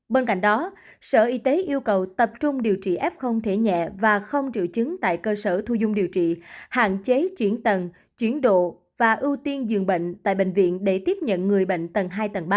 bên cạnh đó sở y tế yêu cầu tập trung điều trị f thể nhẹ và không triệu chứng tại cơ sở thu dung điều trị hạn chế chuyển tầng chuyển độ và ưu tiên dường bệnh tại bệnh viện để tiếp nhận người bệnh tầng hai tầng ba